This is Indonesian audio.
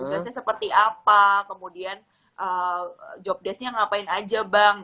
tugasnya seperti apa kemudian jobdesknya ngapain aja bang